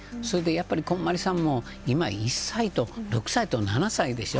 こんまりさんも、今１歳と６歳と７歳でしょ。